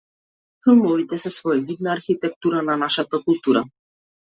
Филмовите се своевидна архитектура на нашата култура.